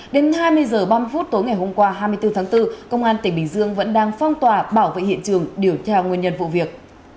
đến hai mươi h ba mươi phút tối ngày hôm qua hai mươi bốn tháng bốn công an tỉnh bình dương vẫn đang phong tỏa bảo vệ hiện trường điều tra nguyên nhân vụ việc